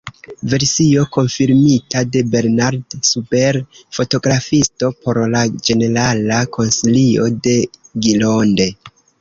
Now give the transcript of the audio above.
Versio konfirmita de Bernard Sube, fotografisto por la ĝenerala konsilio de Gironde.